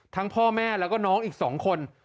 พ่อแม่แล้วก็น้องอีก๒คน